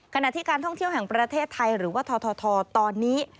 ขณะที่การท่องเที่ยวแห่งประเทศไทยหรือว่าททตอนนี้